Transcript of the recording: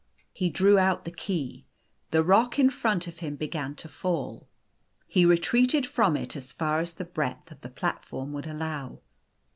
He drew out the key. The rock in front of him began to fall. He re treated from it as far as the breadth of the platform would allow.